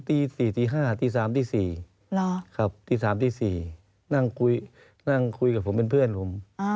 ที่๓๔นั่งคุยกับผมเป็นเพื่อนผม